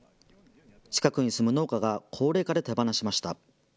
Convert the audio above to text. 近くに住む農家が高齢化で手放しました。